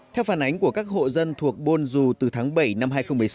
theo phản ánh của các hộ dân thuộc buôn du từ tháng bảy năm hai nghìn một mươi sáu